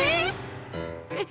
えっ！